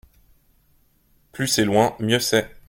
Plus c’est loin mieux c’est.